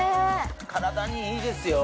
体にいいですよ。